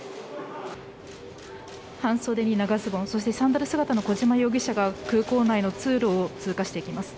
半袖に長ズボン、そしてサンダル姿の小島容疑者が空港内の通路を通過していきます。